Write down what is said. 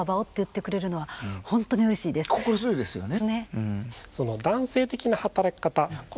心強いですよね。